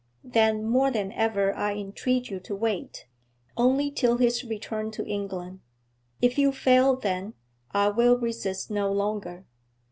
'Then more than ever I entreat you to wait, only till his return to England. If you fail then, I will resist no longer.